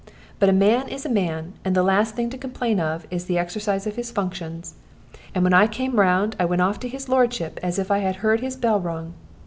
But a man is a man, and the last thing to complain of is the exercise of his functions. And when I come round I went off to his lordship, as if I had heared his bell ring.